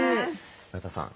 村田さん